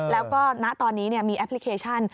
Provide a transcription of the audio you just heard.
แล้วก็ณตอนนี้มีแอปพลิเคชัน